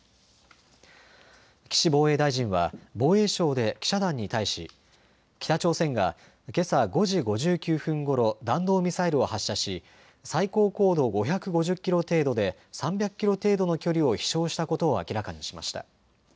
岸防衛大臣は防衛省で記者団に対し北朝鮮がけさ５時５９分ごろ弾道ミサイルを発射し最高高度５５０キロ程度で３００キロ程度の距離を飛しょうしたことを明らかにしました。